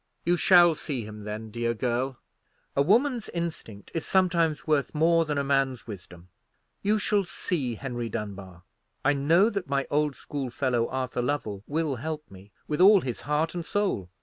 "You shall see him then, dear girl. A woman's instinct is sometimes worth more than a man's wisdom. You shall see Henry Dunbar. I know that my old schoolfellow Arthur Lovell will help me, with all his heart and soul.